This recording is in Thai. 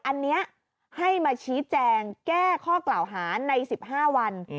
อันนี้ให้มาชี้แจงแก้ข้อกล่าวหาใน๑๕วัน